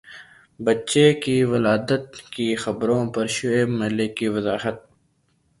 بچے کی ولادت کی خبروں پر شعیب ملک کی وضاحت